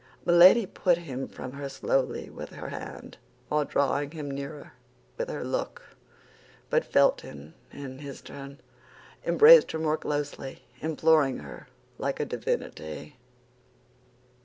Milady put him from her slowly with her hand, while drawing him nearer with her look; but Felton, in his turn, embraced her more closely, imploring her like a divinity.